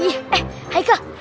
eh hai kak